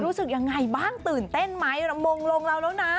รู้สึกยังไงบ้างตื่นเต้นไหมมงลงเราแล้วนะ